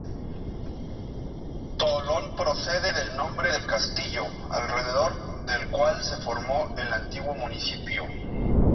Tolón procede del nombre del castillo alrededor del cual se formó el antiguo municipio.